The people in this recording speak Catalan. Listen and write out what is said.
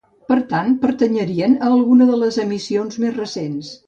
Per tant pertanyerien a alguna de les emissions més recent.